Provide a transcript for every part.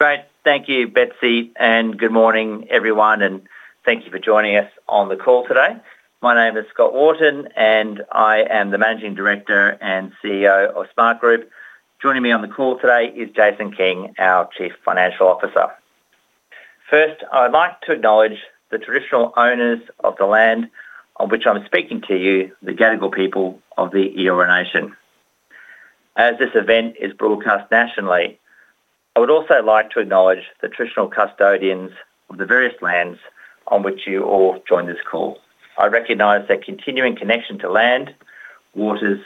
Great. Thank you, Beth. Good morning, everyone, and thank you for joining us on the call today. My name is Scott Wharton, and I am the Managing Director and CEO of SmartGroup. Joining me on the call today is Jason King, our Chief Financial Officer. First, I would like to acknowledge the traditional owners of the land on which I'm speaking to you, the Gadigal people of the Eora Nation. As this event is broadcast nationally, I would also like to acknowledge the traditional custodians of the various lands on which you all join this call. I recognize their continuing connection to land, waters,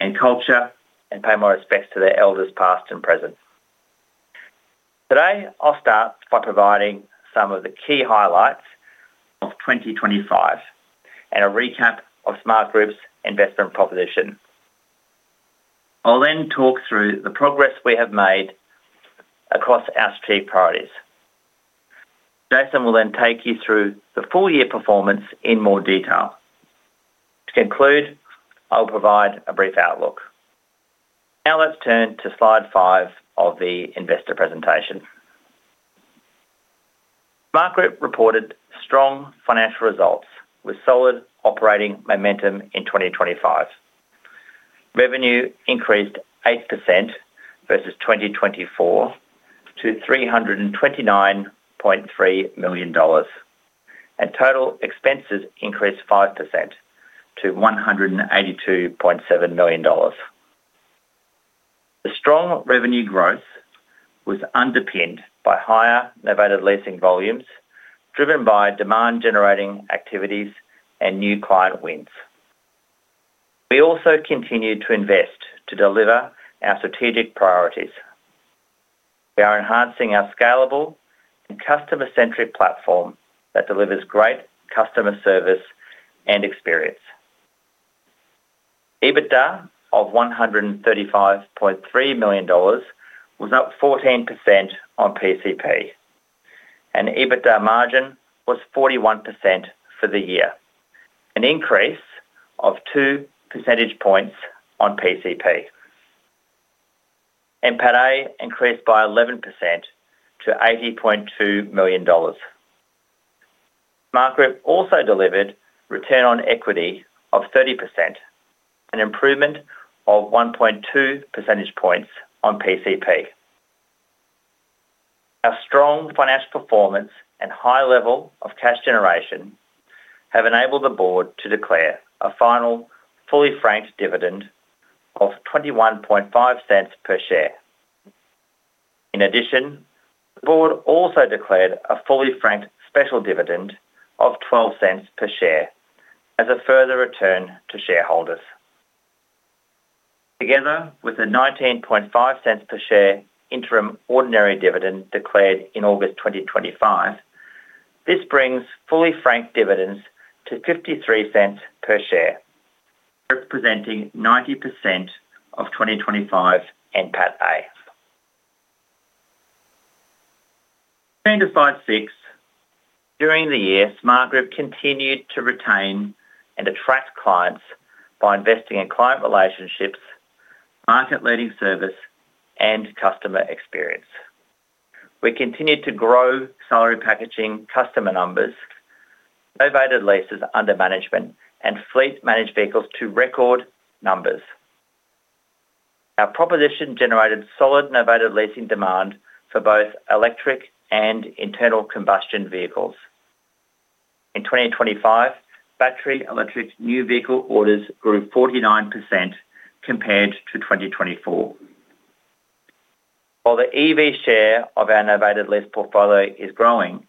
and culture and pay my respects to their elders, past and present. Today, I'll start by providing some of the key highlights of 2025 and a recap of SmartGroup's investment proposition. I'll then talk through the progress we have made across our strategic priorities. Jason will then take you through the full year performance in more detail. To conclude, I'll provide a brief outlook. Now, let's turn to slide five of the investor presentation. SmartGroup reported strong financial results with solid operating momentum in 2025. Revenue increased 8% versus 2024 to AUD 329.3 million, and total expenses increased 5% to 182.7 million dollars. The strong revenue growth was underpinned by higher novated leasing volumes, driven by demand-generating activities and new client wins. We also continued to invest to deliver our strategic priorities. We are enhancing our scalable and customer-centric platform that delivers great customer service and experience. EBITDA of AUD 135.3 million was up 14% on PCP, and EBITDA margin was 41% for the year, an increase of two percentage points on PCP. NPAT A increased by 11% to 80.2 million dollars. SmartGroup also delivered return on equity of 30%, an improvement of 1.2 percentage points on PCP. Our strong financial performance and high level of cash generation have enabled the board to declare a final fully franked dividend of 0.215 per share. The board also declared a fully franked special dividend of 0.12 per share as a further return to shareholders. Together with the 0.195 per share interim ordinary dividend declared in August 2025, this brings fully franked dividends to 0.53 per share, representing 90% of 2025 NPAT A. Turning to slide 6. During the year, SmartGroup continued to retain and attract clients by investing in client relationships, market-leading service, and customer experience. We continued to grow salary packaging customer numbers, novated leases under management, and fleet managed vehicles to record numbers. Our proposition generated solid novated leasing demand for both electric and internal combustion vehicles. In 2025, battery electric new vehicle orders grew 49% compared to 2024. While the EV share of our novated lease portfolio is growing,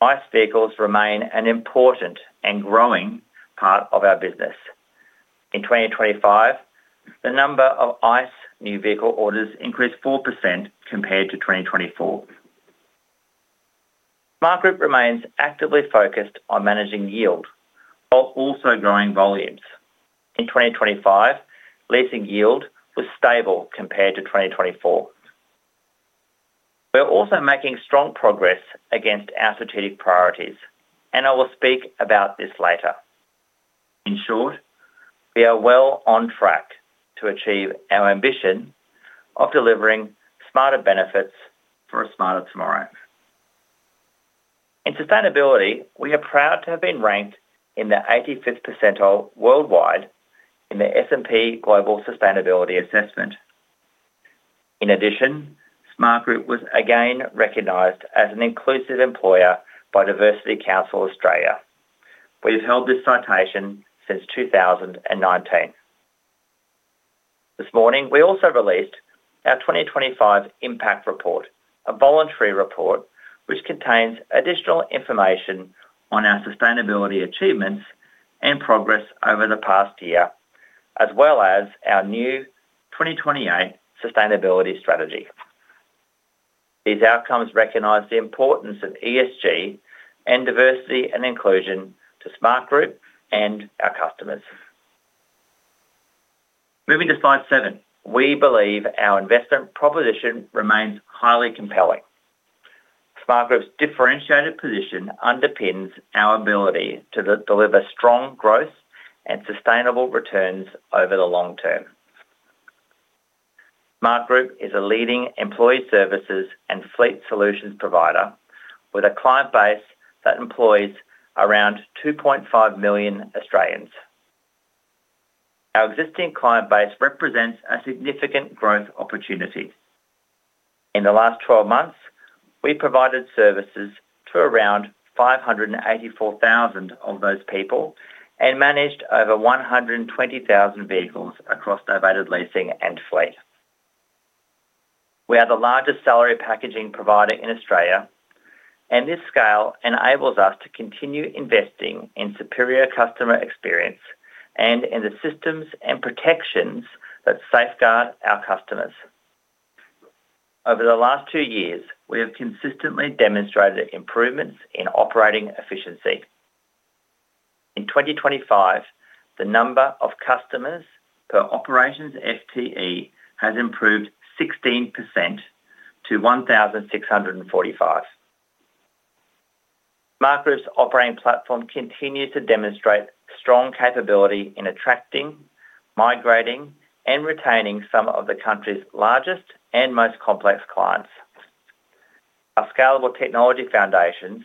ICE vehicles remain an important and growing part of our business. In 2025, the number of ICE new vehicle orders increased 4% compared to 2024. SmartGroup remains actively focused on managing yield while also growing volumes. In 2025, leasing yield was stable compared to 2024. We are also making strong progress against our strategic priorities. I will speak about this later. In short, we are well on track to achieve our ambition of delivering smarter benefits for a smarter tomorrow. In sustainability, we are proud to have been ranked in the 85th percentile worldwide in the S&P Global Sustainability Assessment. SmartGroup was again recognized as an inclusive employer by Diversity Council Australia. We've held this citation since 2019. This morning, we also released our 2025 impact report, a voluntary report which contains additional information on our sustainability achievements and progress over the past year, as well as our new 2028 sustainability strategy. These outcomes recognize the importance of ESG and diversity and inclusion to SmartGroup and our customers. Moving to slide seven. We believe our investment proposition remains highly compelling. SmartGroup's differentiated position underpins our ability to deliver strong growth and sustainable returns over the long term. SmartGroup is a leading employee services and fleet solutions provider, with a client base that employs around 2.5 million Australians. Our existing client base represents a significant growth opportunity. In the last 12 months, we provided services to around 584,000 of those people and managed over 120,000 vehicles across novated leasing and fleet. We are the largest salary packaging provider in Australia, and this scale enables us to continue investing in superior customer experience and in the systems and protections that safeguard our customers. Over the last 2 years, we have consistently demonstrated improvements in operating efficiency. In 2025, the number of customers per operations, FTE, has improved 16% to 1,645. SmartGroup's operating platform continues to demonstrate strong capability in attracting, migrating, and retaining some of the country's largest and most complex clients. Our scalable technology foundations,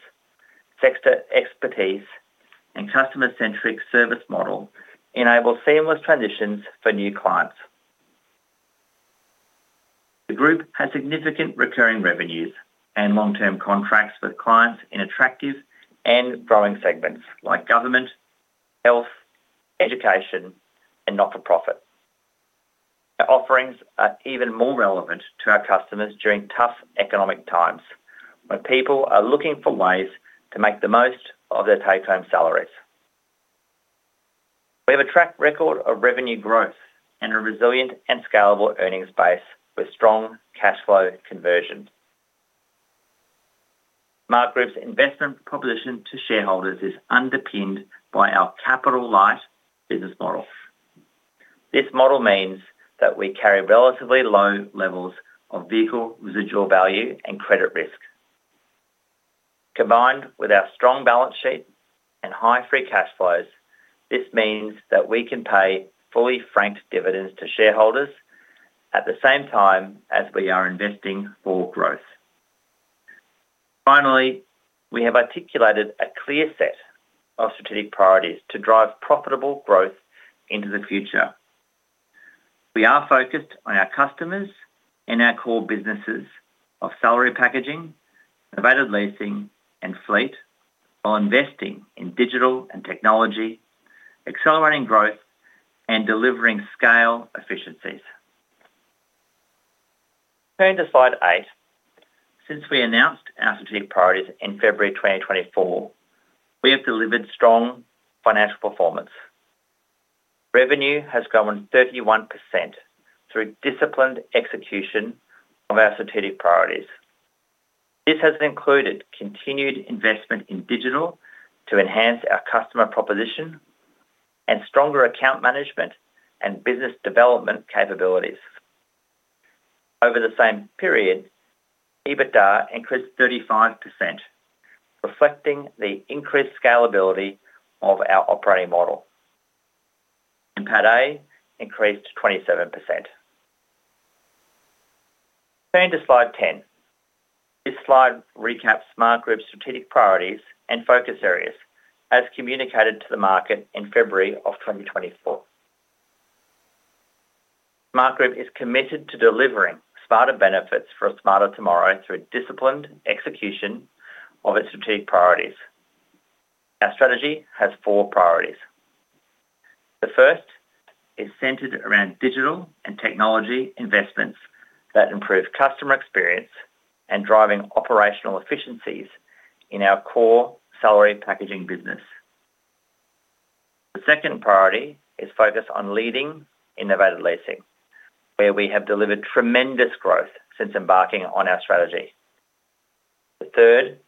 sector expertise, and customer-centric service model enable seamless transitions for new clients. The group has significant recurring revenues and long-term contracts with clients in attractive and growing segments like government, health, education, and not-for-profit. Our offerings are even more relevant to our customers during tough economic times, when people are looking for ways to make the most of their take-home salaries. We have a track record of revenue growth and a resilient and scalable earnings base with strong cash flow conversion. SmartGroup's investment proposition to shareholders is underpinned by our capital light business model. This model means that we carry relatively low levels of vehicle, residual value, and credit risk. Combined with our strong balance sheet and high free cash flows, this means that we can pay fully franked dividends to shareholders at the same time as we are investing for growth. Finally, we have articulated a clear set of strategic priorities to drive profitable growth into the future. We are focused on our customers and our core businesses of salary packaging, novated leasing, and fleet, while investing in digital and technology, accelerating growth, and delivering scale efficiencies. Turning to slide eight. Since we announced our strategic priorities in February 2024, we have delivered strong financial performance. Revenue has grown 31% through disciplined execution of our strategic priorities. This has included continued investment in digital to enhance our customer proposition and stronger account management and business development capabilities. Over the same period, EBITDA increased 35%, reflecting the increased scalability of our operating model, and PAT increased 27%. Turning to slide 10. This slide recaps SmartGroup's strategic priorities and focus areas, as communicated to the market in February of 2024. SmartGroup is committed to delivering smarter benefits for a smarter tomorrow through a disciplined execution of its strategic priorities. Our strategy has four priorities. The first is centered around digital and technology investments that improve customer experience and driving operational efficiencies in our core salary packaging business. The second priority is focused on leading innovative leasing, where we have delivered tremendous growth since embarking on our strategy. The third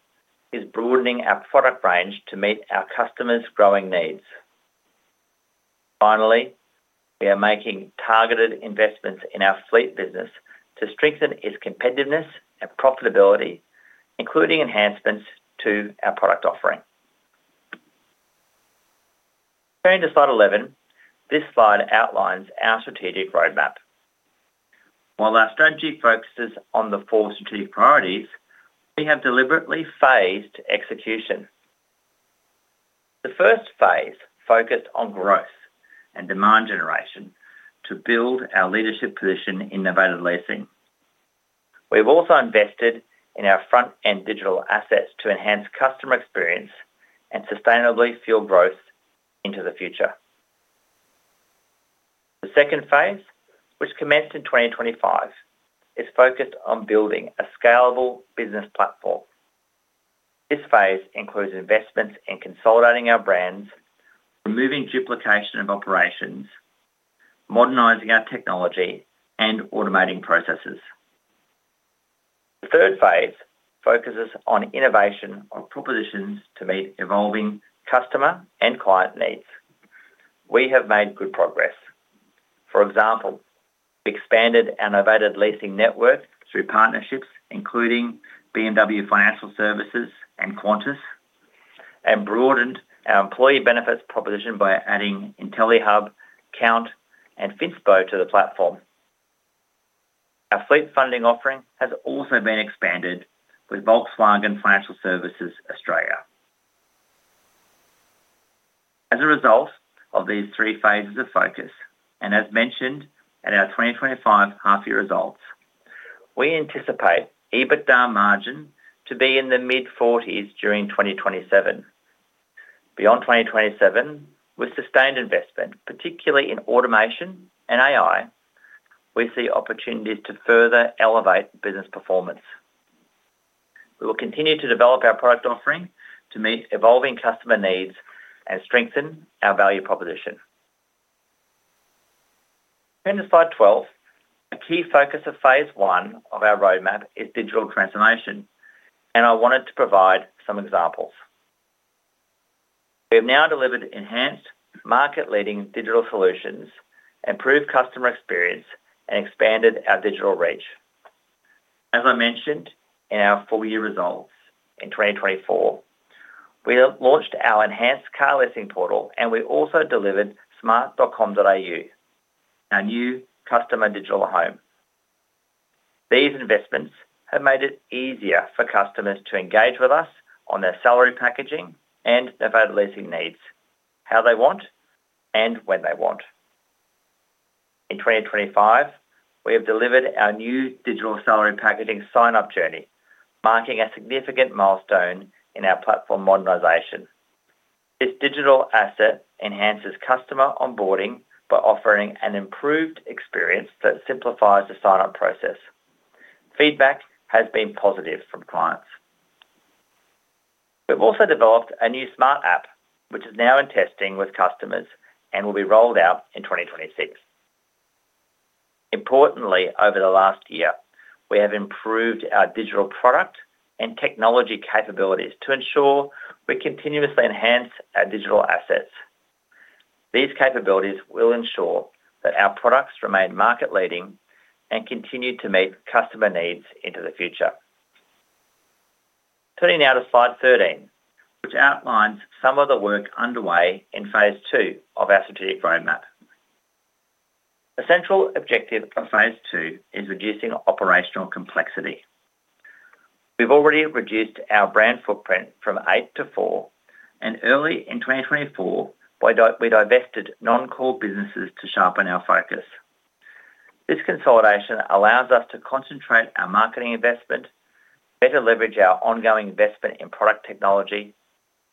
is broadening our product range to meet our customers' growing needs. Finally, we are making targeted investments in our fleet business to strengthen its competitiveness and profitability, including enhancements to our product offering. Turning to slide 11. This slide outlines our strategic roadmap. While our strategy focuses on the four strategic priorities, we have deliberately Phased execution. The first Phase focused on growth and demand generation to build our leadership position in novated leasing. We've also invested in our front-end digital assets to enhance customer experience and sustainably fuel growth into the future. The second Phase, which commenced in 2025, is focused on building a scalable business platform. This Phase includes investments in consolidating our brands, removing duplication of operations, modernizing our technology, and automating processes. The third Phase focuses on innovation of propositions to meet evolving customer and client needs. We have made good progress. For example, we expanded and novated leasing network through partnerships including BMW Financial Services and Qantas, and broadened our employee benefits proposition by adding Intellihub, Count, and Finspo to the platform. Our fleet funding offering has also been expanded with Volkswagen Financial Services, Australia. As a result of these three Phases of focus, and as mentioned at our 2025 half-year results, we anticipate EBITDA margin to be in the mid-40s during 2027. Beyond 2027, with sustained investment, particularly in automation and AI, we see opportunities to further elevate business performance. We will continue to develop our product offering to meet evolving customer needs and strengthen our value proposition. Turning to slide 12. A key focus of Phase I of our roadmap is digital transformation, I wanted to provide some examples. We have now delivered enhanced market-leading digital solutions, improved customer experience, and expanded our digital reach. As I mentioned in our full year results, in 2024, we launched our enhanced car leasing portal, We also delivered smart.com.au, our new customer digital home. These investments have made it easier for customers to engage with us on their salary packaging and their novated leasing needs, how they want and when they want. In 2025, we have delivered our new digital salary packaging sign-up journey, marking a significant milestone in our platform modernization. This digital asset enhances customer onboarding by offering an improved experience that simplifies the sign-up process. Feedback has been positive from clients. We've also developed a new smart app, which is now in testing with customers and will be rolled out in 2026. Importantly, over the last year, we have improved our digital product and technology capabilities to ensure we continuously enhance our digital assets. These capabilities will ensure that our products remain market-leading and continue to meet customer needs into the future. Turning now to slide 13, which outlines some of the work underway in Phase II of our strategic roadmap. A central objective of Phase II reducing operational complexity. We've already reduced our brand footprint from eight to four. Early in 2024, we divested non-core businesses to sharpen our focus. This consolidation allows us to concentrate our marketing investment, better leverage our ongoing investment in product technology,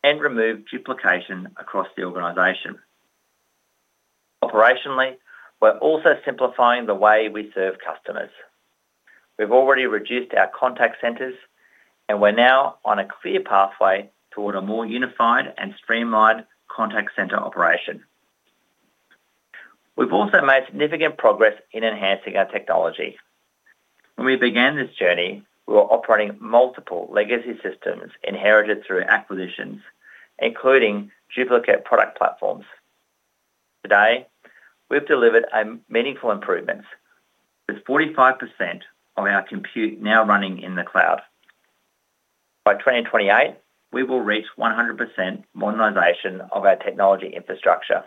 and remove duplication across the organization. Operationally, we're also simplifying the way we serve customers. We've already reduced our contact centers, and we're now on a clear pathway toward a more unified and streamlined contact center operation. We've also made significant progress in enhancing our technology. When we began this journey, we were operating multiple legacy systems inherited through acquisitions, including duplicate product platforms. Today, we've delivered a meaningful improvements, with 45% of our compute now running in the cloud. By 2028, we will reach 100% modernization of our technology infrastructure.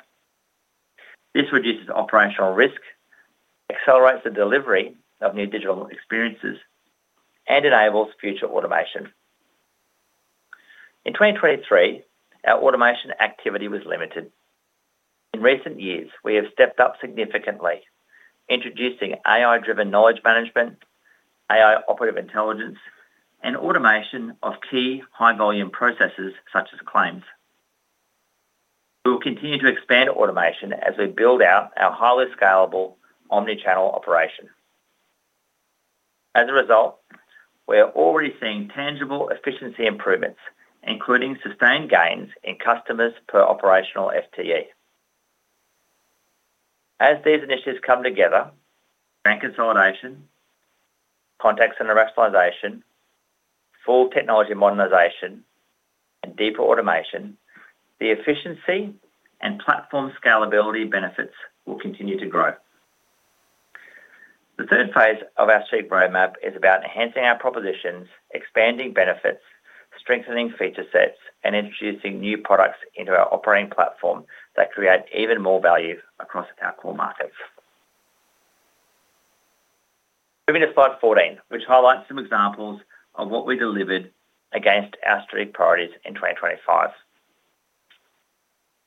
This reduces operational risk, accelerates the delivery of new digital experiences, and enables future automation. In 2023, our automation activity was limited. In recent years, we have stepped up significantly, introducing AI-driven knowledge management, AI operative intelligence, and automation of key high-volume processes such as claims. We will continue to expand automation as we build out our highly scalable omni-channel operation. As a result, we are already seeing tangible efficiency improvements, including sustained gains in customers per operational FTE. As these initiatives come together, brand consolidation, contact center rationalization, full technology modernization, and deeper automation, the efficiency and platform scalability benefits will continue to grow. The third Phase of our strategic roadmap is about enhancing our propositions, expanding benefits, strengthening feature sets, and introducing new products into our operating platform that create even more value across our core markets. Moving to slide 14, which highlights some examples of what we delivered against our strategic priorities in 2025.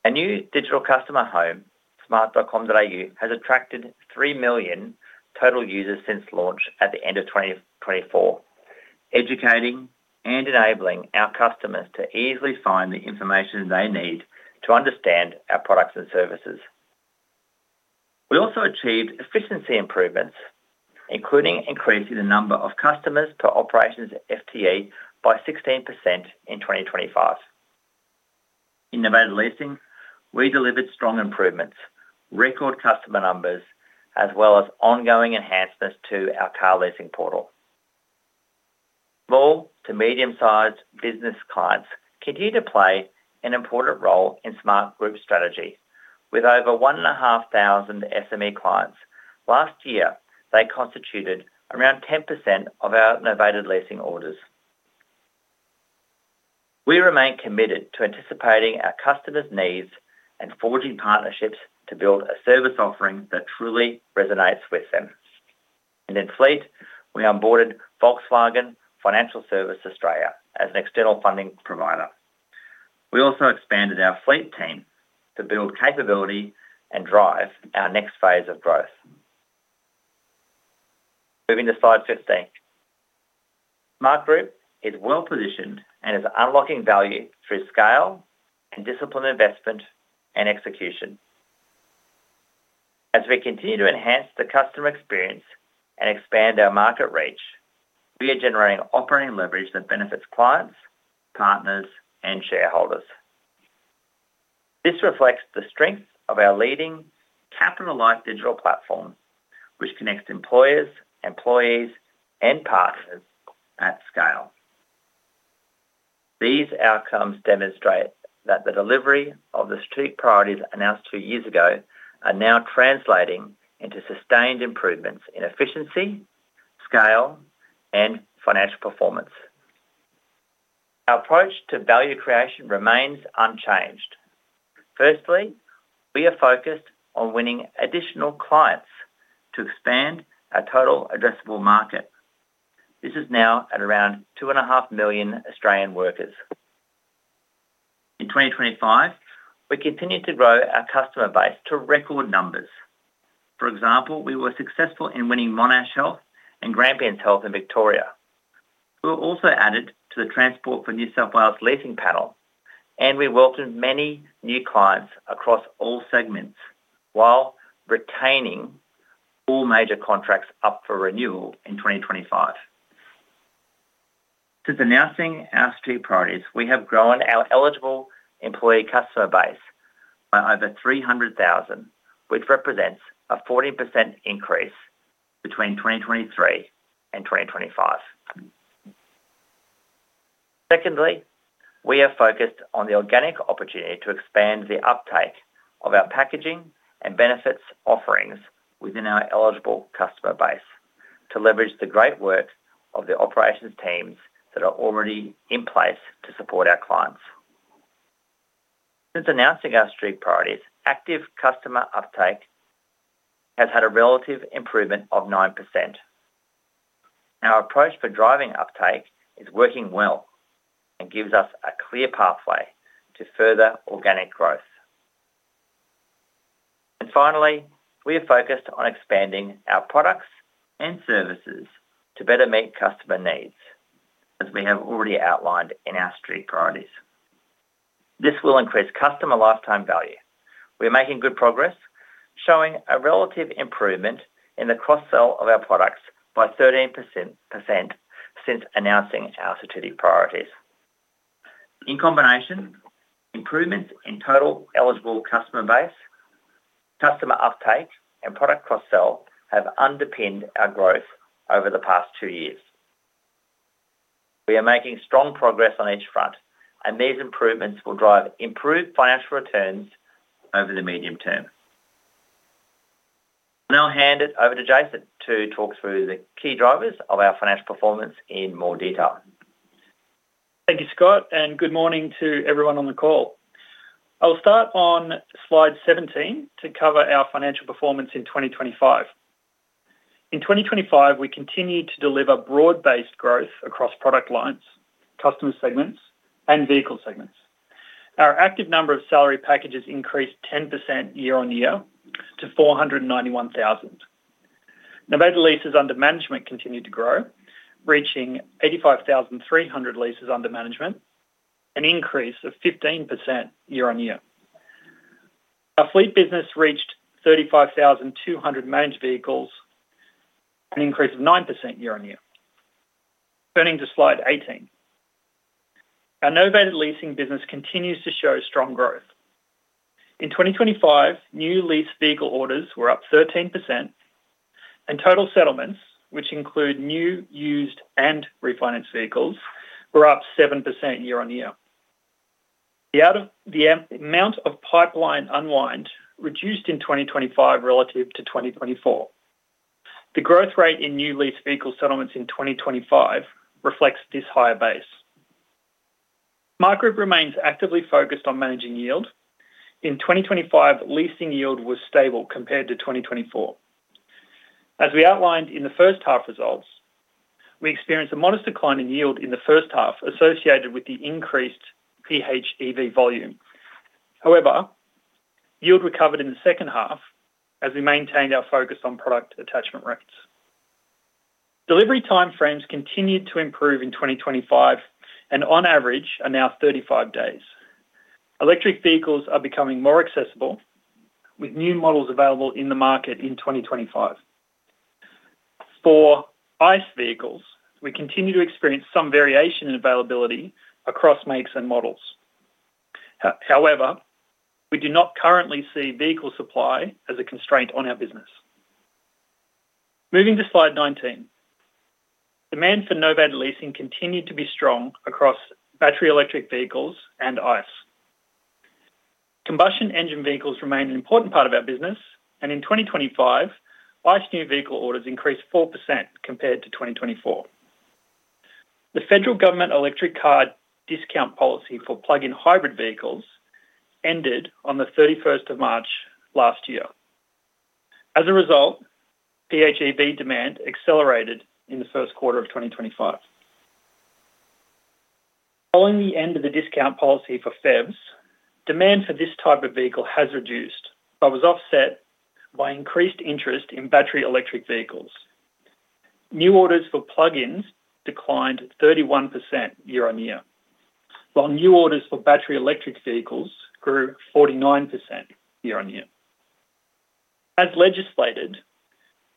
A new digital customer home, smart.com.au, has attracted 3 million total users since launch at the end of 2024, educating and enabling our customers to easily find the information they need to understand our products and services. We also achieved efficiency improvements, including increasing the number of customers per operations FTE by 16% in 2025. In novated leasing, we delivered strong improvements, record customer numbers, as well as ongoing enhancements to our car leasing portal. Small to medium-sized business clients continue to play an important role in SmartGroup's strategy. With over 1,500 SME clients, last year they constituted around 10% of our novated leasing orders. We remain committed to anticipating our customers' needs and forging partnerships to build a service offering that truly resonates with them. In Fleet, we onboarded Volkswagen Financial Services Australia as an external funding provider. We also expanded our fleet team to build capability and drive our next Phase of growth. Moving to slide 15. SmartGroup is well-positioned and is unlocking value through scale and disciplined investment and execution. As we continue to enhance the customer experience and expand our market reach, we are generating operating leverage that benefits clients, partners, and shareholders. This reflects the strength of our leading capital-light digital platform, which connects employers, employees, and partners at scale. These outcomes demonstrate that the delivery of the strategic priorities announced two years ago are now translating into sustained improvements in efficiency, scale, and financial performance. Our approach to value creation remains unchanged. Firstly, we are focused on winning additional clients to expand our total addressable market. This is now at around 2.5 million Australian workers. In 2025, we continued to grow our customer base to record numbers. For example, we were successful in winning Monash Health and Grampians Health in Victoria. We were also added to the Transport for NSW leasing panel. We welcomed many new clients across all segments while retaining all major contracts up for renewal in 2025. Since announcing our strategic priorities, we have grown our eligible employee customer base by over 300,000, which represents a 40% increase between 2023 and 2025. Secondly, we are focused on the organic opportunity to expand the uptake of our packaging and benefits offerings within our eligible customer base to leverage the great work of the operations teams that are already in place to support our clients. Since announcing our strategic priorities, active customer uptake has had a relative improvement of 9%. Our approach for driving uptake is working well and gives us a clear pathway to further organic growth. Finally, we are focused on expanding our products and services to better meet customer needs, as we have already outlined in our strategic priorities. This will increase customer lifetime value. We are making good progress, showing a relative improvement in the cross-sell of our products by 13% since announcing our strategic priorities. In combination, improvements in total eligible customer base, customer uptake, and product cross-sell have underpinned our growth over the past two years. These improvements will drive improved financial returns over the medium term. I'll now hand it over to Jason to talk through the key drivers of our financial performance in more detail. Thank you, Scott. Good morning to everyone on the call. I'll start on Slide 17 to cover our financial performance in 2025. In 2025, we continued to deliver broad-based growth across product lines, customer segments, and vehicle segments. Our active number of salary packages increased 10% year-on-year to 491,000. Novated leases under management continued to grow, reaching 85,300 leases under management, an increase of 15% year-on-year. Our fleet business reached 35,200 managed vehicles, an increase of 9% year-on-year. Turning to Slide 18. Our novated leasing business continues to show strong growth. In 2025, new lease vehicle orders were up 13%, and total settlements, which include new, used, and refinanced vehicles, were up 7% year-on-year. The amount of pipeline unwind reduced in 2025 relative to 2024. The growth rate in new lease vehicle settlements in 2025 reflects this higher base. My group remains actively focused on managing yield. In 2025, leasing yield was stable compared to 2024. As we outlined in the first half results, we experienced a modest decline in yield in the first half, associated with the increased PHEV volume. Yield recovered in the second half as we maintained our focus on product attachment rates. Delivery time frames continued to improve in 2025 and, on average, are now 35 days. Electric vehicles are becoming more accessible, with new models available in the market in 2025. For ICE vehicles, we continue to experience some variation in availability across makes and models. However, we do not currently see vehicle supply as a constraint on our business. Moving to slide 19. Demand for novated leasing continued to be strong across battery electric vehicles and ICE. Combustion engine vehicles remain an important part of our business. In 2025, ICE new vehicle orders increased 4% compared to 2024. The federal government Electric Car Discount policy for plug-in hybrid vehicles ended on the 31st of March last year. As a result, PHEV demand accelerated in the first quarter of 2025. Following the end of the discount policy for PHEVs, demand for this type of vehicle has reduced, but was offset by increased interest in battery electric vehicles. New orders for plug-ins declined 31% year-on-year, while new orders for battery electric vehicles grew 49% year-on-year. As legislated,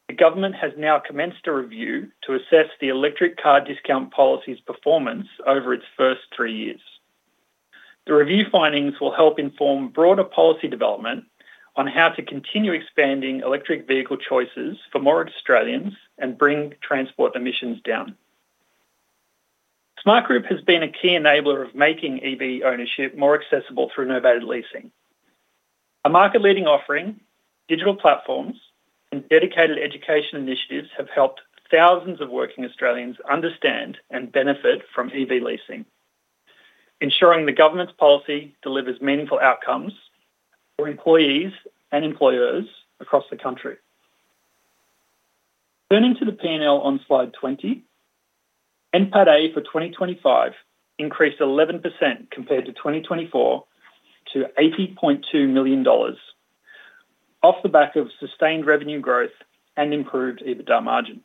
the government has now commenced a review to assess the Electric Car Discount policy's performance over its first three years. The review findings will help inform broader policy development on how to continue expanding EV choices for more Australians and bring transport emissions down. SmartGroup has been a key enabler of making EV ownership more accessible through novated leasing. A market-leading offering, digital platforms, and dedicated education initiatives have helped thousands of working Australians understand and benefit from EV leasing, ensuring the government's policy delivers meaningful outcomes for employees and employers across the country. Turning to the P&L on slide 20, NPAT A for 2025 increased 11% compared to 2024 to 80.2 million dollars, off the back of sustained revenue growth and improved EBITDA margin.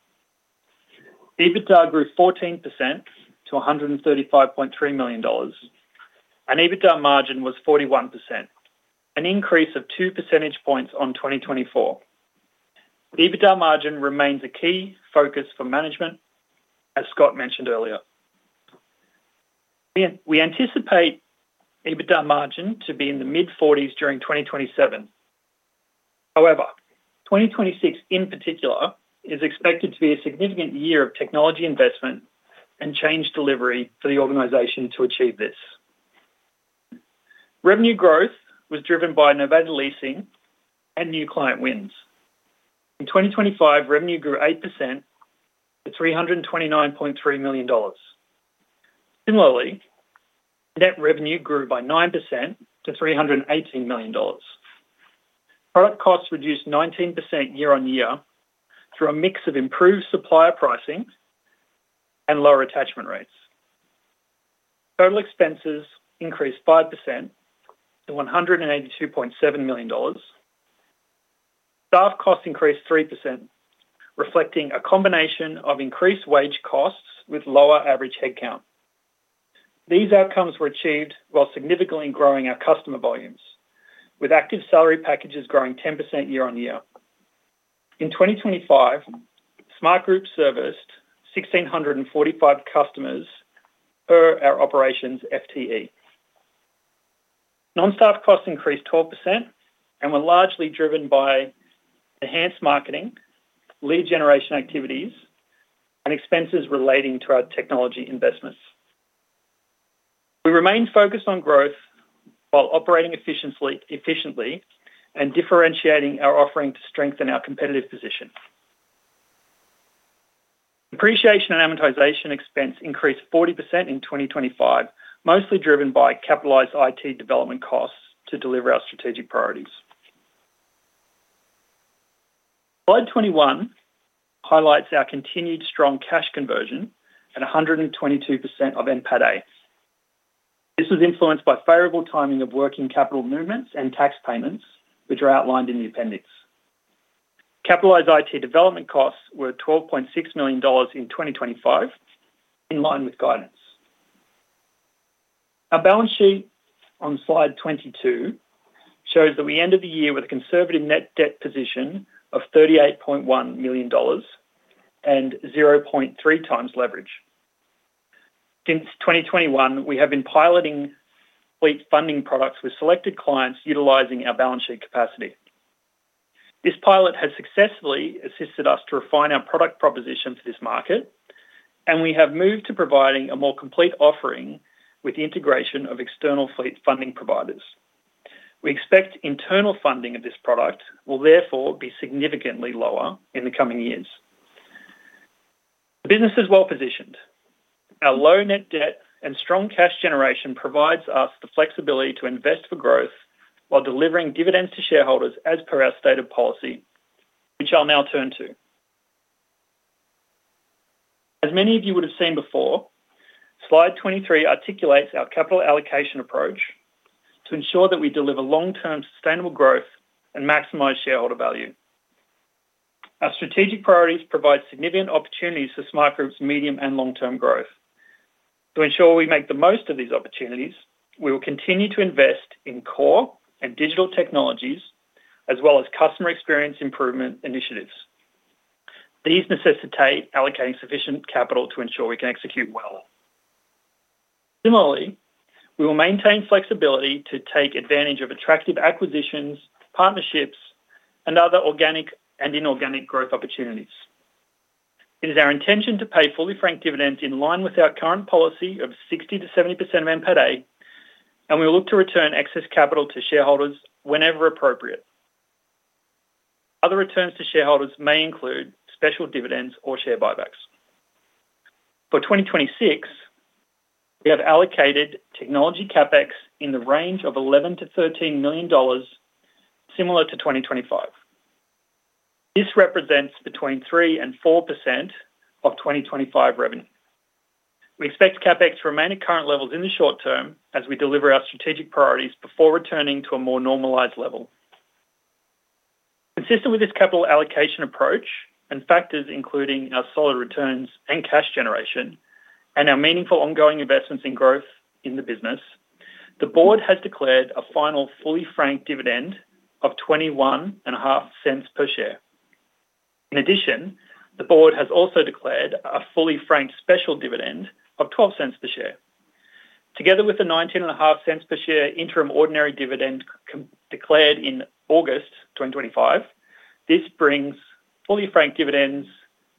EBITDA grew 14% to 135.3 million dollars. EBITDA margin was 41%, an increase of 2 percentage points on 2024. The EBITDA margin remains a key focus for management, as Scott mentioned earlier. We anticipate EBITDA margin to be in the mid-40s during 2027. 2026 in particular, is expected to be a significant year of technology investment and change delivery for the organization to achieve this. Revenue growth was driven by novated leasing and new client wins. In 2025, revenue grew 8% to 329.3 million dollars. Net revenue grew by 9% to 318 million dollars. Product costs reduced 19% year-on-year through a mix of improved supplier pricing and lower attachment rates. Total expenses increased 5% to 182.7 million dollars. Staff costs increased 3%, reflecting a combination of increased wage costs with lower average headcount. These outcomes were achieved while significantly growing our customer volumes, with active salary packages growing 10% year-on-year. In 2025, SmartGroup serviced 1,645 customers per our operations FTE. Non-staff costs increased 12% and were largely driven by enhanced marketing, lead generation activities, and expenses relating to our technology investments. We remain focused on growth while operating efficiently and differentiating our offering to strengthen our competitive position. Depreciation and amortization expense increased 40% in 2025, mostly driven by capitalized IT development costs to deliver our strategic priorities. Slide 21 highlights our continued strong cash conversion at 122% of NPAT A. This was influenced by favorable timing of working capital movements and tax payments, which are outlined in the appendix. Capitalized IT development costs were AUD 12.6 million in 2025, in line with guidance. Our balance sheet on slide 22 shows that we ended the year with a conservative net debt position of 38.1 million dollars and 0.3 times leverage. Since 2021, we have been piloting fleet funding products with selected clients utilizing our balance sheet capacity. This pilot has successfully assisted us to refine our product proposition to this market, and we have moved to providing a more complete offering with the integration of external fleet funding providers. We expect internal funding of this product will therefore be significantly lower in the coming years. The business is well positioned. Our low net debt and strong cash generation provides us the flexibility to invest for growth while delivering dividends to shareholders as per our stated policy, which I'll now turn to. As many of you would have seen before, slide 23 articulates our capital allocation approach to ensure that we deliver long-term sustainable growth and maximize shareholder value. Our strategic priorities provide significant opportunities for SmartGroup's medium and long-term growth. To ensure we make the most of these opportunities, we will continue to invest in core and digital technologies, as well as customer experience improvement initiatives. These necessitate allocating sufficient capital to ensure we can execute well. Similarly, we will maintain flexibility to take advantage of attractive acquisitions, partnerships, and other organic and inorganic growth opportunities. It is our intention to pay fully franked dividends in line with our current policy of 60%-70% of NPAT A. We will look to return excess capital to shareholders whenever appropriate. Other returns to shareholders may include special dividends or share buybacks. For 2026, we have allocated technology CapEx in the range of 11 million-13 million dollars, similar to 2025. This represents between 3% and 4% of 2025 revenue. We expect CapEx to remain at current levels in the short term as we deliver our strategic priorities before returning to a more normalized level. Consistent with this capital allocation approach and factors, including our solid returns and cash generation and our meaningful ongoing investments in growth in the business, the board has declared a final fully franked dividend of 0.215 per share. In addition, the board has also declared a fully franked special dividend of 0.12 per share. Together with the 0.195 per share interim ordinary dividend declared in August 2025, this brings fully franked dividends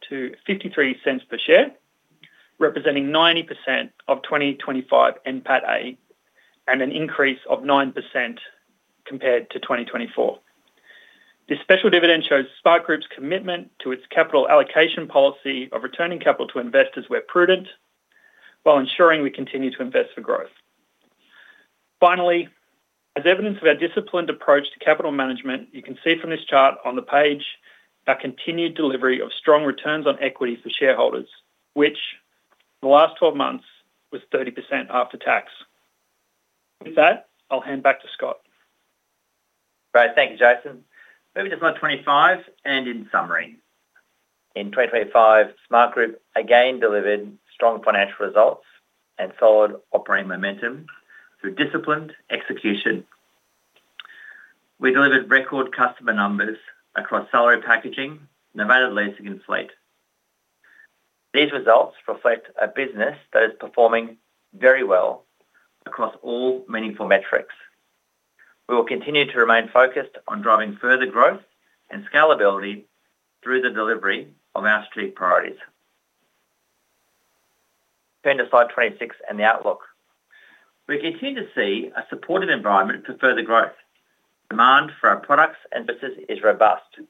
to 0.53 per share, representing 90% of 2025 NPAT A, and an increase of 9% compared to 2024. This special dividend shows SmartGroup's commitment to its capital allocation policy of returning capital to investors where prudent, while ensuring we continue to invest for growth. Finally, as evidence of our disciplined approach to capital management, you can see from this chart on the page our continued delivery of strong returns on equity for shareholders, which in the last 12 months was 30% after tax. With that, I'll hand back to Scott. Great. Thank you, Jason. Moving to slide 25 and in summary. In 2025, SmartGroup again delivered strong financial results and solid operating momentum through disciplined execution. We delivered record customer numbers across salary packaging, novated leasing, and fleet. These results reflect a business that is performing very well across all meaningful metrics. We will continue to remain focused on driving further growth and scalability through the delivery of our strategic priorities. Turning to slide 26 and the outlook. We continue to see a supportive environment for further growth. Demand for our products and business is robust.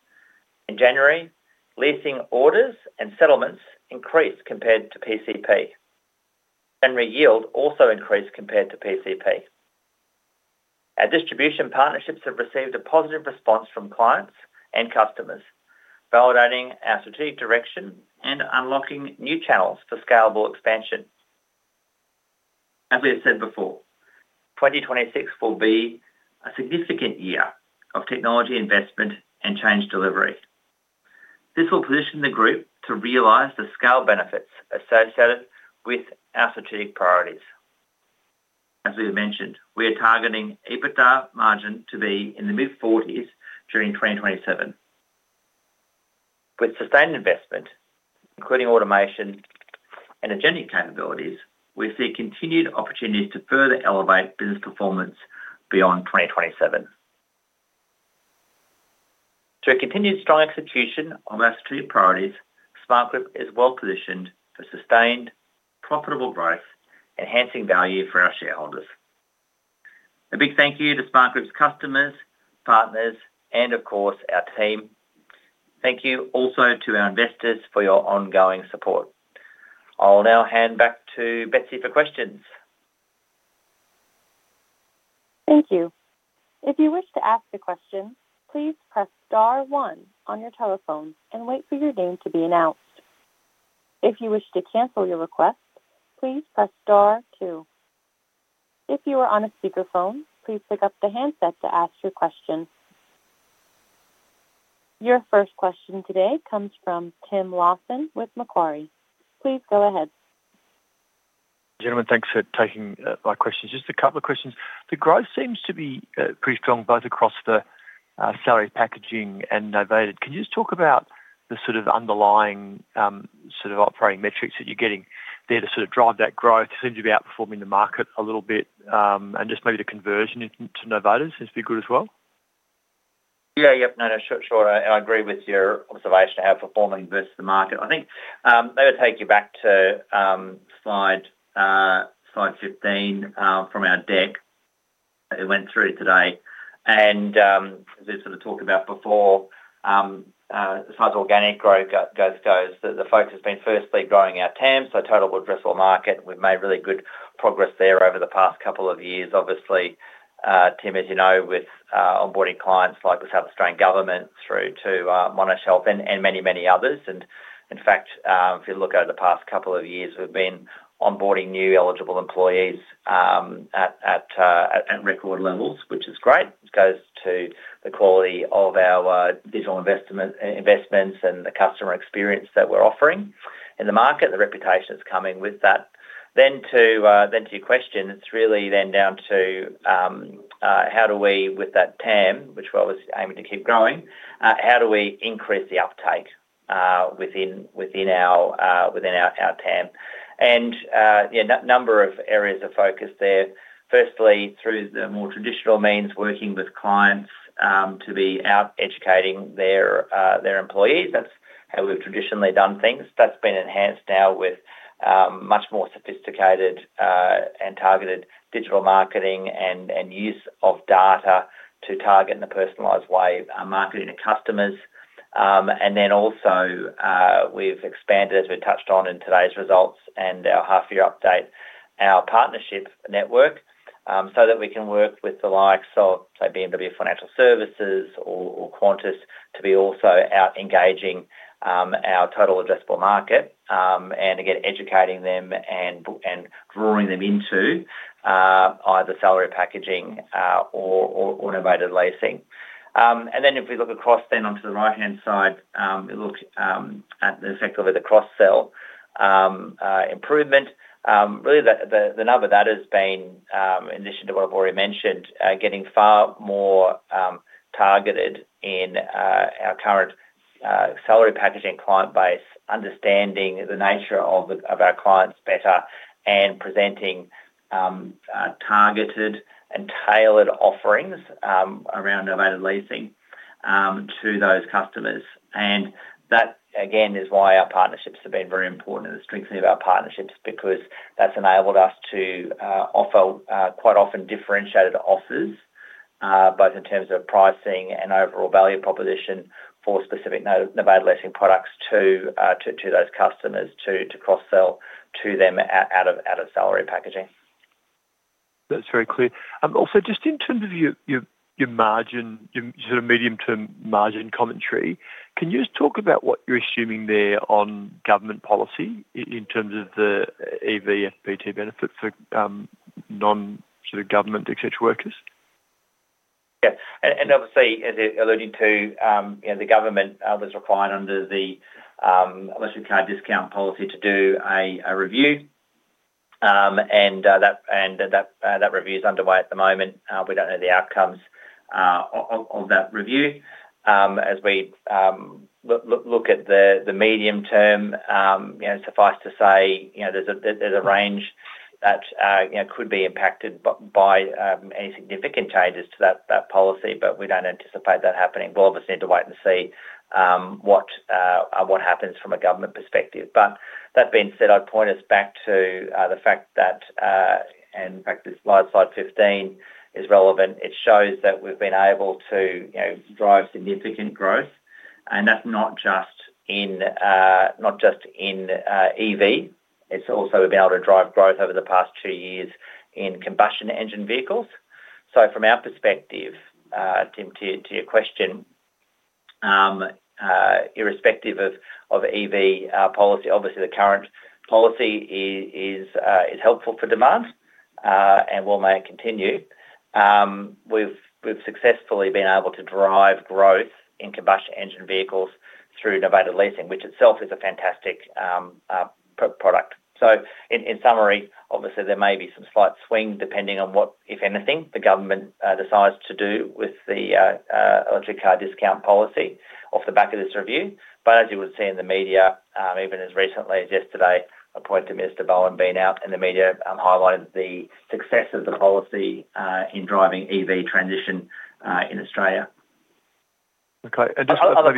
In January, leasing orders and settlements increased compared to PCP. January yield also increased compared to PCP. Our distribution partnerships have received a positive response from clients and customers, validating our strategic direction and unlocking new channels for scalable expansion. As we have said before, 2026 will be a significant year of technology, investment, and change delivery. This will position the group to realize the scale benefits associated with our strategic priorities. As we have mentioned, we are targeting EBITDA margin to be in the mid-40s% during 2027. With sustained investment, including automation and engineering capabilities, we see continued opportunities to further elevate business performance beyond 2027. Through a continued strong execution of our strategic priorities, SmartGroup is well positioned for sustained, profitable growth, enhancing value for our shareholders. A big thank you to SmartGroup's customers, partners, and of course, our team. Thank you also to our investors for your ongoing support. I'll now hand back to Betsy for questions. Thank you. If you wish to ask a question, please press star one on your telephone and wait for your name to be announced. If you wish to cancel your request, please press star two. If you are on a speakerphone, please pick up the handset to ask your question. Your first question today comes from Tim Lawson with Macquarie. Please go ahead. Gentlemen, thanks for taking my questions. Just a couple of questions. The growth seems to be pretty strong, both across the salary packaging and novated. Can you just talk about the sort of underlying sort of operating metrics that you're getting there to sort of drive that growth? It seems to be outperforming the market a little bit, and just maybe the conversion into novated seems to be good as well. Yes No, sure. I agree with your observation of outperforming versus the market. I think, maybe I'll take you back to slide 15 from our deck that we went through today. As we sort of talked about before, as far as organic growth goes, the focus has been firstly growing our TAM, so total addressable market. We've made really good progress there over the past couple of years. Obviously, Tim, as you know, with onboarding clients like the South Australian Government through to Monash Health and many others. In fact, if you look over the past couple of years, we've been onboarding new eligible employees at record levels, which is great. It goes to the quality of our digital investments and the customer experience that we're offering in the market, and the reputation is coming with that. To your question, it's really then down to how do we, with that TAM, which I was aiming to keep growing, how do we increase the uptake within our TAM? Yeah, a number of areas of focus there. Firstly, through the more traditional means, working with clients to be out educating their employees. That's how we've traditionally done things. That's been enhanced now with much more sophisticated and targeted digital marketing and use of data to target in a personalized way marketing to customers. And then also, we've expanded, as we touched on in today's results and our half-year update, our partnership network, so that we can work with the likes of BMW Financial Services or Qantas to be also out engaging our total addressable market. And again, educating them and drawing them into either salary packaging or novated leasing. And then if we look across, then onto the right-hand side, it looks at effectively the cross-sell improvement. Really, the number that has been in addition to what I've already mentioned, getting far more targeted in our current salary packaging client base, understanding the nature of our clients better, and presenting targeted and tailored offerings around novated leasing to those customers. That, again, is why our partnerships have been very important and the strengthening of our partnerships because that's enabled us to offer quite often differentiated offers both in terms of pricing and overall value proposition for specific novated leasing products to those customers, to cross-sell to them out of salary packaging. That's very clear. Also, just in terms of your margin, your sort of medium-term margin commentary, can you just talk about what you're assuming there on government policy in terms of the EV FBT benefits for non-sort of government etcetera workers? Yeah, and obviously, as it alluded to, you know, the government was required under the Electric Car Discount policy to do a review. That review is underway at the moment. We don't know the outcomes of that review. As we look at the medium term, you know, suffice to say, you know, there's a range that, you know, could be impacted by any significant changes to that policy, but we don't anticipate that happening. We obviously need to wait and see what happens from a government perspective. That being said, I'd point us back to the fact that, and in fact, this slide 15, is relevant. It shows that we've been able to, you know, drive significant growth, and that's not just in EV. It's also been able to drive growth over the past two years in combustion engine vehicles. From our perspective, Tim, to your question, irrespective of EV policy, obviously, the current policy is helpful for demand, and we'll make it continue. We've successfully been able to drive growth in combustion engine vehicles through novated leasing, which itself is a fantastic pro-product. In summary, obviously, there may be some slight swing, depending on what, if anything, the government decides to do with the Electric Car Discount policy off the back of this review. As you would see in the media, even as recently as yesterday, I point to Mr. Bowen being out in the media, highlighting the success of the policy, in driving EV transition in Australia. Okay. Other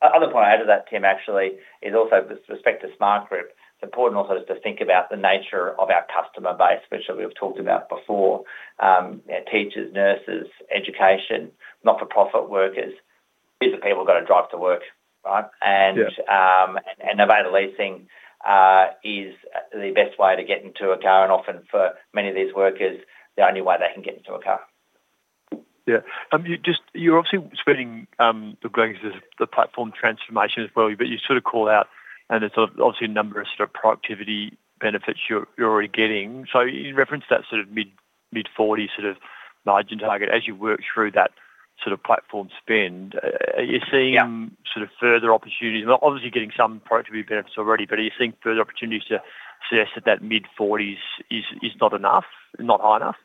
point to add to that, Tim, actually, is also with respect to SmartGroup, it's important also to think about the nature of our customer base, which we've talked about before. Teachers, nurses, education, not-for-profit workers, these are people who are going to drive to work, right? Yeah. Novated leasing is the best way to get into a car, and often for many of these workers, the only way they can get into a car. Yeah. You're obviously spending, regarding the platform transformation as well, but you sort of call out, and there's obviously a number of sort of productivity benefits you're already getting. You referenced that sort of mid-40 sort of margin target. As you work through that sort of platform spend, are you seeing- Yeah. sort of further opportunities? Obviously, you're getting some productivity benefits already, but are you seeing further opportunities to suggest that mid-forties is not enough, not high enough?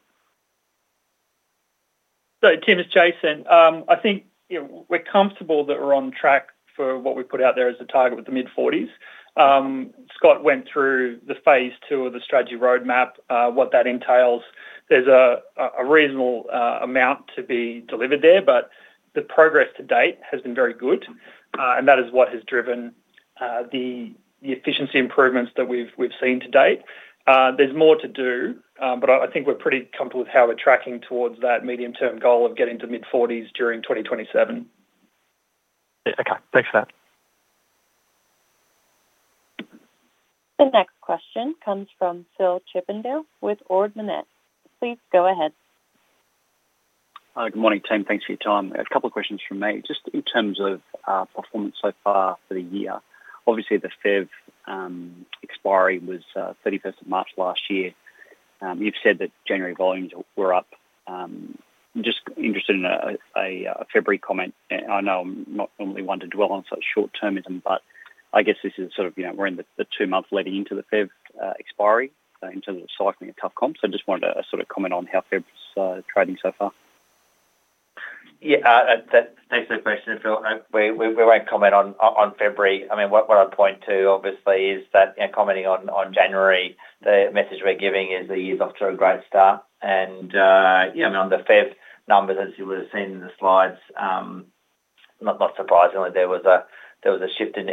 Tim, it's Jason. I think, you know, we're comfortable that we're on track for what we put out there as a target with the mid-forties. Scott went through the Phase 2 of the strategy roadmap, what that entails. There's a reasonable amount to be delivered there, but the progress to date has been very good, and that is what has driven the efficiency improvements that we've seen to date. There's more to do, but I think we're pretty comfortable with how we're tracking towards that medium-term goal of getting to mid-forties during 2027. Yeah, okay. Thanks for that. The next question comes from Phil Chippendale with Ord Minnett. Please go ahead. Good morning, team. Thanks for your time. A couple of questions from me. Just in terms of performance so far for the year. Obviously, the PHEV expiry was 31st of March last year. You've said that January volumes were up. I'm just interested in a February comment. I know I'm not normally one to dwell on such short-termism, but I guess this is sort of, you know, we're in the two months leading into the Feb expiry in terms of the cycling of tough comp. Just wanted a sort of comment on how Feb is trading so far. Yeah, that's an excellent question, Phil. We won't comment on February. I mean, what I'd point to obviously is that, you know, commenting on January, the message we're giving is the year's off to a great start and, you know, on the Feb numbers, as you would have seen in the slides, not surprisingly, there was a shift in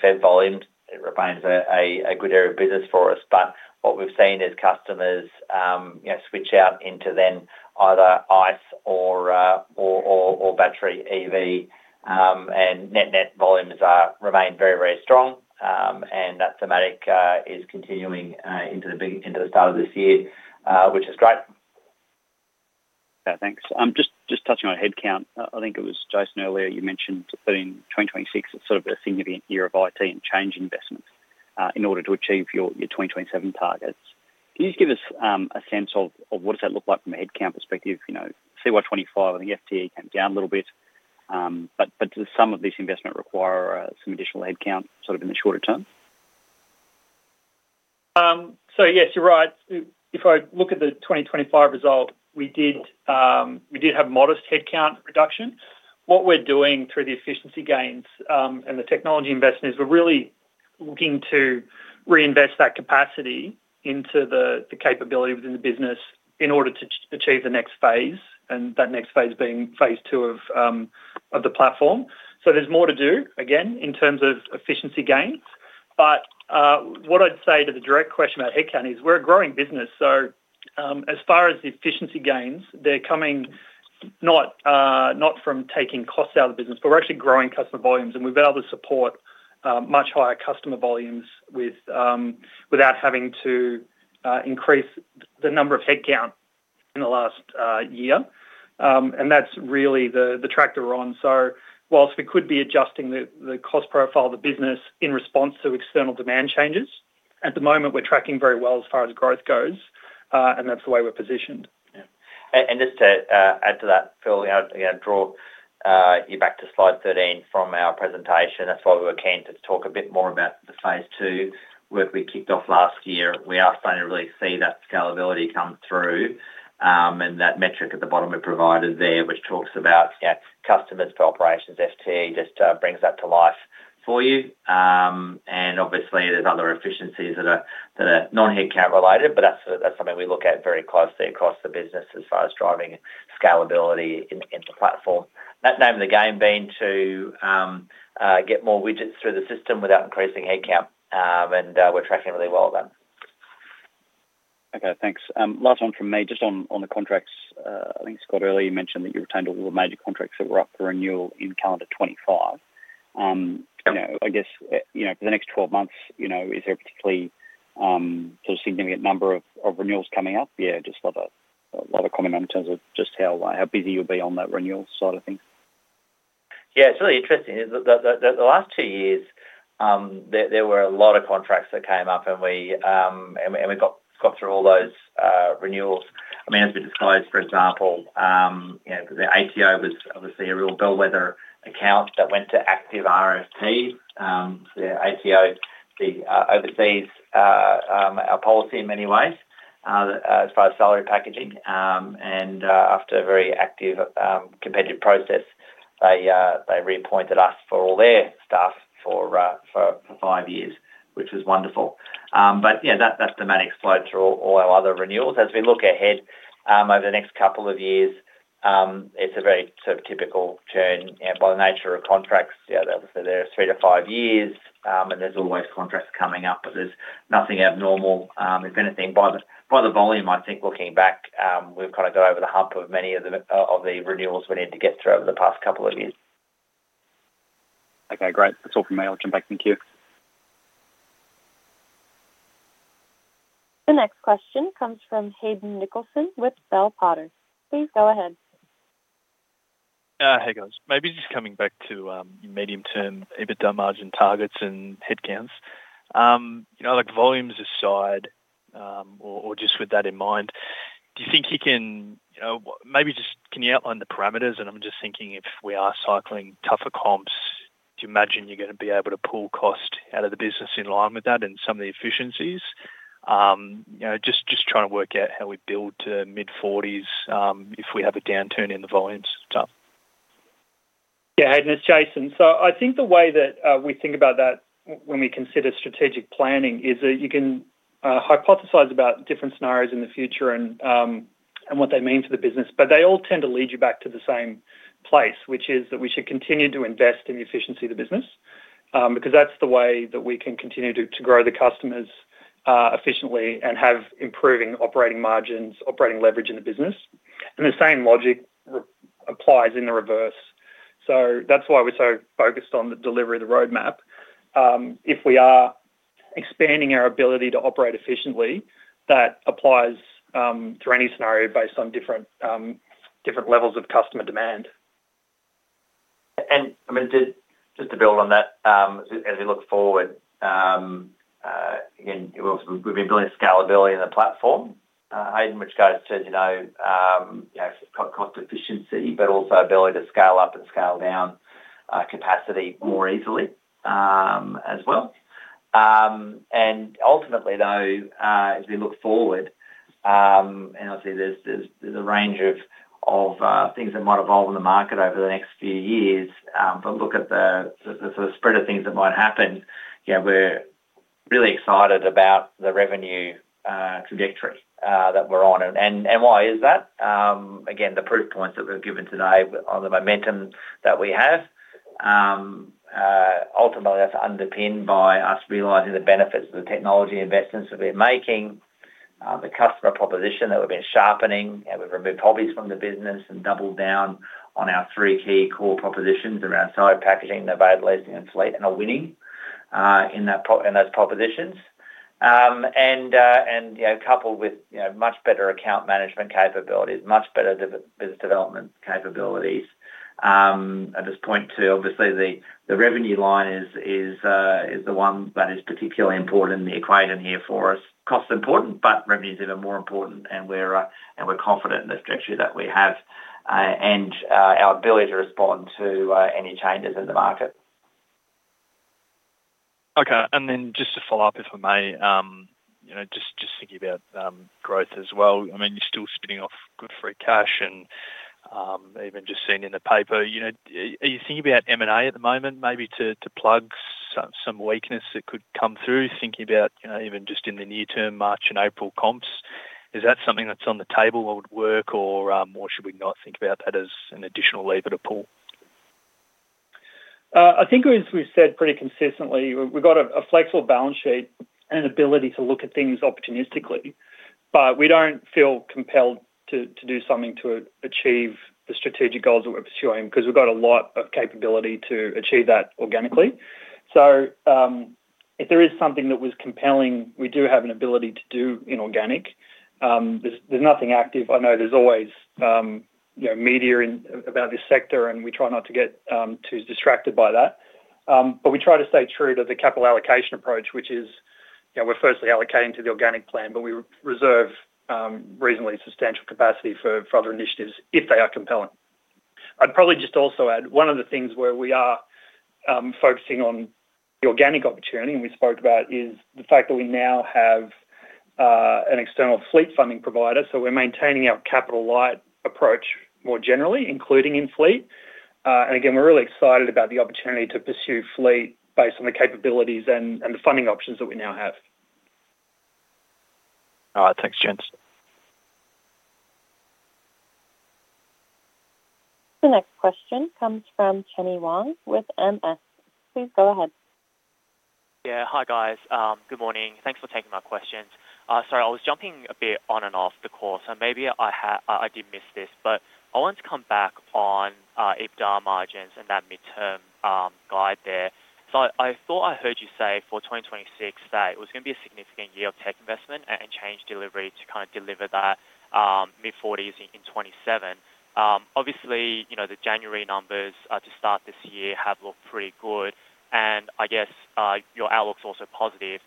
Feb volumes. It remains a good area of business for us, but what we've seen is customers, you know, switch out into then either ICE or battery EV, and net volumes remain very, very strong. That thematic is continuing into the start of this year, which is great. Yeah, thanks. Just touching on headcount. I think it was Jason earlier, you mentioned that in 2026, it's sort of a significant year of IT and change investments in order to achieve your 2027 targets. Can you just give us a sense of what does that look like from a headcount perspective? You know, CY 25, and the FTE came down a little bit, but does some of this investment require some additional headcount, sort of in the shorter term? Yes, you're right. If I look at the 2025 result, we did have modest headcount reduction. What we're doing through the efficiency gains and the technology investments, we're really looking to reinvest that capacity into the capability within the business in order to achieve the next Phase, and that next Phase being Phase 2 of the platform. There's more to do, again, in terms of efficiency gains. What I'd say to the direct question about headcount is we're a growing business, as far as the efficiency gains, they're coming not from taking costs out of the business, but we're actually growing customer volumes, and we've been able to support much higher customer volumes without having to increase the number of headcount in the last year. That's really the track that we're on. Whilst we could be adjusting the cost profile of the business in response to external demand changes, at the moment, we're tracking very well as far as growth goes, and that's the way we're positioned. Yeah. Just to add to that, Phil, I'd, again, draw you back to slide 13 from our presentation. That's why we were keen to talk a bit more about the Phase two work we kicked off last year. We are starting to really see that scalability come through, and that metric at the bottom we've provided there, which talks about, you know, customers to operations FTE just brings that to life for you. Obviously, there's other efficiencies that are not headcount related, but that's something we look at very closely across the business as far as driving scalability in the platform. That name of the game being to get more widgets through the system without increasing headcount, and we're tracking really well then. Okay, thanks. Last one from me, just on the contracts. I think, Scott, earlier you mentioned that you retained all the major contracts that were up for renewal in calendar 25. You know, I guess, you know, for the next 12 months, you know, is there a particularly, sort of significant number of renewals coming up? Yeah, just a comment on in terms of just how, like, how busy you'll be on that renewal side of things. Yeah, it's really interesting. The last two years, there were a lot of contracts that came up, and we got through all those renewals. I mean, as we disclosed, for example, you know, the ATO was obviously a real bellwether account that went to active RFP. So the ATO oversees our policy in many ways, as far as salary packaging, and after a very active, competitive process, they reappointed us for all their staff for five years, which was wonderful. Yeah, that thematic applied to all our other renewals. As we look ahead, over the next couple of years, it's a very sort of typical turn, and by the nature of contracts, yeah, there's 3 to 5 years, and there's always contracts coming up, but there's nothing abnormal. If anything, by the volume, I think looking back, we've kind of got over the hump of many of the renewals we need to get through over the past couple of years. Okay, great. That's all from me. I'll jump back. Thank you. The next question comes from Hayden Nicholson with Bell Potter. Please go ahead. Hey, guys. Maybe just coming back to medium-term EBITDA margin targets and headcounts. You know, like, volumes aside, or just with that in mind, do you think you can, you know, maybe just can you outline the parameters? I'm just thinking, if we are cycling tougher comps, do you imagine you're going to be able to pull cost out of the business in line with that and some of the efficiencies? You know, just trying to work out how we build to mid-forties, if we have a downturn in the volumes stuff. Yeah, Hayden, it's Jason. I think the way that we think about that when we consider strategic planning is that you can hypothesize about different scenarios in the future and what they mean to the business, but they all tend to lead you back to the same place, which is that we should continue to invest in the efficiency of the business because that's the way that we can continue to grow the customers efficiently and have improving operating margins, operating leverage in the business. The same logic applies in the reverse. That's why we're so focused on the delivery of the roadmap. If we are expanding our ability to operate efficiently, that applies to any scenario based on different levels of customer demand. I mean, just to build on that, as we look forward, again, we've been building scalability in the platform, which goes to, you know, co-cost efficiency, but also ability to scale up and scale down capacity more easily as well. Ultimately, though, as we look forward, and obviously, there's a range of things that might evolve in the market over the next few years. Look at the sort of spread of things that might happen, you know, we're really excited about the revenue trajectory that we're on. Why is that? Again, the proof points that we've given today on the momentum that we have, ultimately, that's underpinned by us realizing the benefits of the technology investments that we're making, the customer proposition that we've been sharpening, and we've removed hobbies from the business and doubled down on our three key core propositions around salary packaging, novated leasing, and fleet, and are winning in those propositions. You know, coupled with, you know, much better account management capabilities, much better business development capabilities. At this point, too, obviously, the revenue line is the one that is particularly important in the equation here for us. Cost is important, but revenue is even more important, and we're confident in the strategy that we have, and our ability to respond to any changes in the market. Just to follow up, if I may, you know, just thinking about growth as well, I mean, you're still spinning off good free cash and even just seeing in the paper, you know, are you thinking about M&A at the moment, maybe to plug some weakness that could come through? Thinking about, you know, even just in the near term, March and April comps, is that something that's on the table or would work, or should we not think about that as an additional lever to pull? I think as we've said pretty consistently, we've got a flexible balance sheet and an ability to look at things opportunistically, but we don't feel compelled to do something to achieve the strategic goals that we're pursuing because we've got a lot of capability to achieve that organically. If there is something that was compelling, we do have an ability to do inorganic. There's nothing active. I know there's always, you know, media in, about this sector, and we try not to get too distracted by that. We try to stay true to the capital allocation approach, which is, you know, we're firstly allocating to the organic plan, but we re-reserve reasonably substantial capacity for further initiatives if they are compelling. I'd probably just also add one of the things where we are focusing on the organic opportunity, and we spoke about, is the fact that we now have an external fleet funding provider. We're maintaining our capital light approach more generally, including in fleet. Again, we're really excited about the opportunity to pursue fleet based on the capabilities and the funding options that we now have. All right. Thanks, gents. The next question comes from Kenny Wong with Morgan Stanley. Please go ahead. Yeah. Hi, guys. Good morning. Thanks for taking my questions. Sorry, I was jumping a bit on and off the call, so maybe I did miss this, but I wanted to come back on EBITDA margins and that midterm guide there. I thought I heard you say for 2026, that it was gonna be a significant year of tech investment and change delivery to kind of deliver that mid-40s% in 2027. Obviously, you know, the January numbers to start this year have looked pretty good, and I guess your outlook's also positive.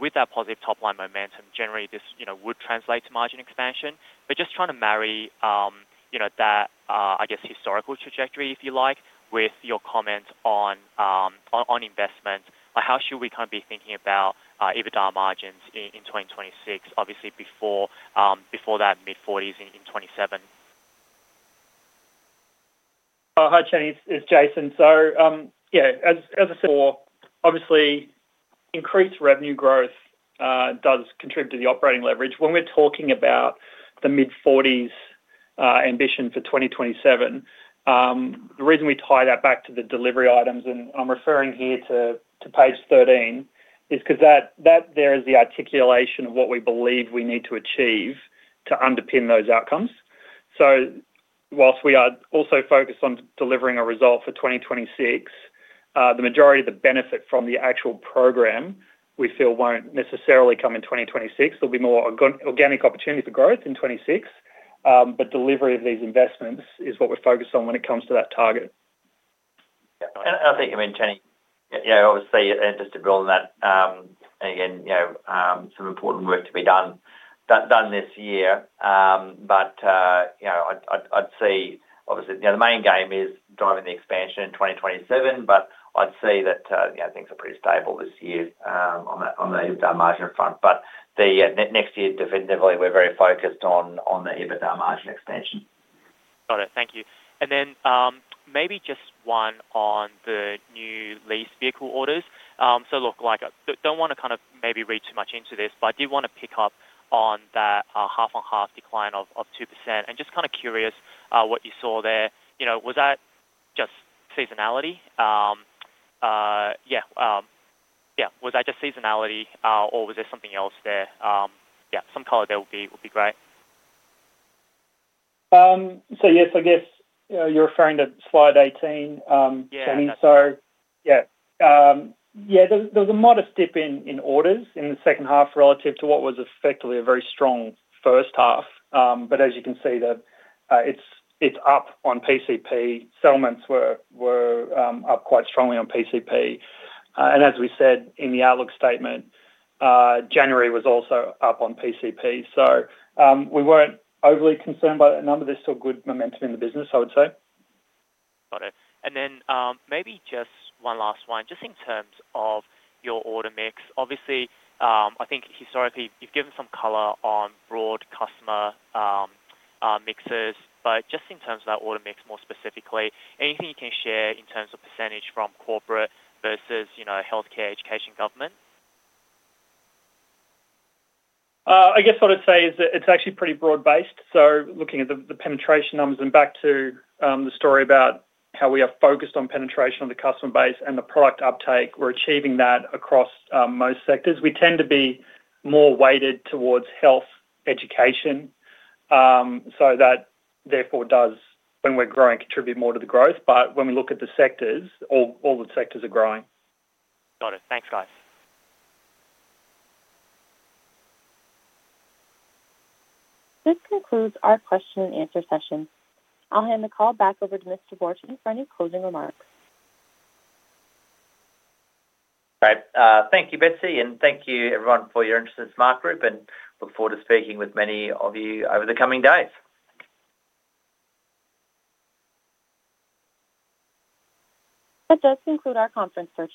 With that positive top-line momentum, generally, this, you know, would translate to margin expansion. Just trying to marry, you know, that, I guess, historical trajectory, if you like, with your comment on investment, how should we kind of be thinking about EBITDA margins in 2026, obviously, before that mid-40s% in 2027? Hi, Kenny. It's Jason. As I said before, obviously, increased revenue growth does contribute to the operating leverage. When we're talking about the mid-40s ambition for 2027, the reason we tie that back to the delivery items, and I'm referring here to page 13, is 'cause that there is the articulation of what we believe we need to achieve to underpin those outcomes. Whilst we are also focused on delivering a result for 2026, the majority of the benefit from the actual program, we feel won't necessarily come in 2026. There'll be more organic opportunities for growth in 2026, but delivery of these investments is what we're focused on when it comes to that target. I think, I mean, Kenny, yeah, obviously, just to build on that, again, you know, some important work to be done this year. You know, I'd say, obviously, you know, the main game is driving the expansion in 2027, but I'd say that, you know, things are pretty stable this year, on the EBITDA margin front. Next year, definitively, we're very focused on the EBITDA margin expansion. Got it. Thank you. Then, maybe just one on the new lease vehicle orders. Look, like, I don't wanna kind of maybe read too much into this, but I did want to pick up on that half-on-half decline of 2%. Just kind of curious what you saw there. You know, was that just seasonality? Yeah, was that just seasonality or was there something else there? Yeah, some color there would be great. Yes, I guess, you're referring to slide 18. Yeah. Yeah. there was a modest dip in orders in the second half relative to what was effectively a very strong first half. As you can see, it's up on PCP. Settlements were up quite strongly on PCP. As we said in the outlook statement, January was also up on PCP. We weren't overly concerned by the number. There's still good momentum in the business, I would say. Got it. Maybe just one last one, just in terms of your order mix. Obviously, I think historically, you've given some color on broad customer mixes, but just in terms of that order mix, more specifically, anything you can share in terms of % from corporate versus, you know, healthcare, education, government? I guess what I'd say is that it's actually pretty broad-based. Looking at the penetration numbers and back to the story about how we are focused on penetration on the customer base and the product uptake, we're achieving that across most sectors. We tend to be more weighted towards health, education, so that therefore does, when we're growing, contribute more to the growth. When we look at the sectors, all the sectors are growing. Got it. Thanks, guys. This concludes our question and answer session. I'll hand the call back over to Mr. Scott for any closing remarks. Great. Thank you, Beth and thank you, everyone, for your interest in SmartGroup, and look forward to speaking with many of you over the coming days. That does conclude our conference for today.